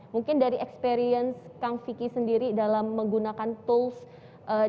mungkin dari experience kang vicky sendiri dalam menggunakan tools